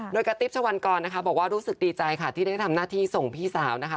โดยกระติ๊บชะวันกรนะคะบอกว่ารู้สึกดีใจค่ะที่ได้ทำหน้าที่ส่งพี่สาวนะคะ